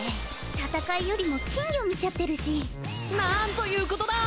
戦いよりも金魚見ちゃってるし何ということだぁ！